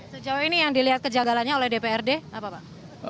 sejauh ini yang dilihat kejagalannya oleh dprd apa pak